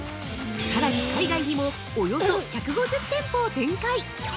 さらに、海外にもおよそ１５０店舗を展開！